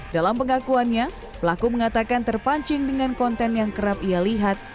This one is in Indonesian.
dalam pengakuannya pelaku mengatakan terpancing dengan konten yang kerap ia lihat